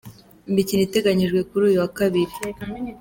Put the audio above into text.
Imikino iteganyijwe kuri uyu wa Kabiri.